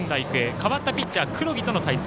代わったピッチャー黒木との対戦。